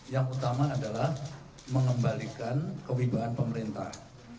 yang utama adalah mengembalikan kewibawaan pemerintah